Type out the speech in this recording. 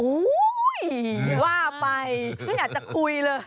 โอ๊ยว่าไปอยากจะคุยเลย